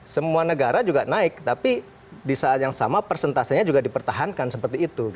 semua negara juga naik tapi di saat yang sama persentasenya juga dipertahankan seperti itu